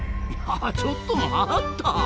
ちょっと待った！